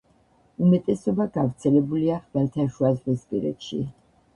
უმეტესობა გავრცელებულია ხმელთაშუაზღვისპირეთში.